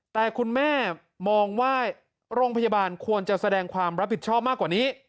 แต่คุณแม่มองว่าโรงพยาบาลควรจะแสดงความรับผิดชอบมากกว่านี้